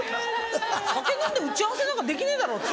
酒飲んで打ち合わせなんかできねえだろ。